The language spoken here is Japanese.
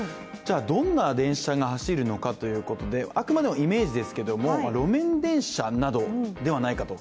どんな電車が走るのかということであくまでもイメージですけども路面電車などではないかと。